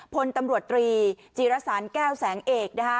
พลตำรวจตรีจีรสารแก้วแสงเอกนะคะ